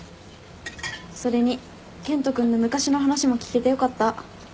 それに健人君の昔の話も聞けてよかった。